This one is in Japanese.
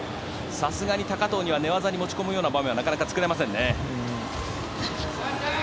さすがに高藤には寝技に持ち込むような場面は作れませんね。